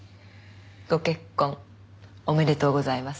ご結婚おめでとうございます。